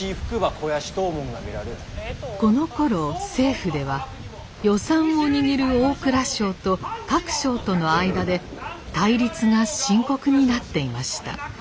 このころ政府では予算を握る大蔵省と各省との間で対立が深刻になっていました。